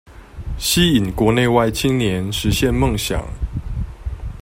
吸引國內外青年實現夢想